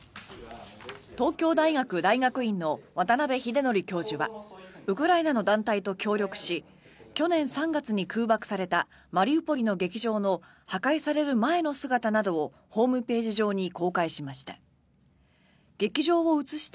東京大学大学院の渡邉英徳教授はウクライナの団体と協力し去年３月に空爆されたマリウポリの劇場の破壊される前の姿などをホームページ上に公開しました。